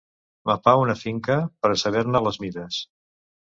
Mapar una finca per a saber-ne les mides.